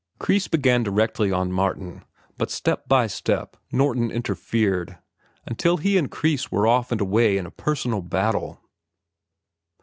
Kreis began directly on Martin, but step by step Norton interfered, until he and Kreis were off and away in a personal battle.